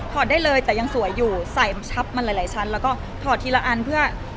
ได้เลยแต่ยังสวยอยู่ใส่ชับมาหลายชั้นแล้วก็ถอดทีละอันเพื่อ